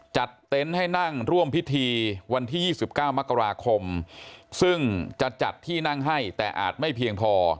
เต็นต์ให้นั่งร่วมพิธีวันที่๒๙มกราคมซึ่งจะจัดที่นั่งให้แต่อาจไม่เพียงพอ